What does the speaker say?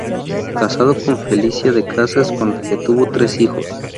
Casado con Felicia de Casas, con la que tuvo tres hijos.